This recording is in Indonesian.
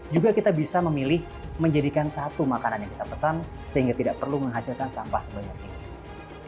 juga kita bisa memilih menjadikan satu makanan yang kita pesan sehingga tidak perlu menghasilkan sampah sebanyak ini